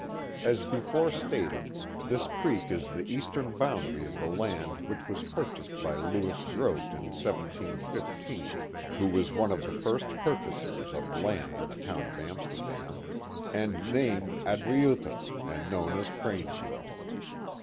As before stated, this creek is the eastern boundary of the land which was purchased by Lewis Groot in 1715 (who was one of the first purchasers of land in the town of Amsterdam), and named Adriutha, and known as Cranesville.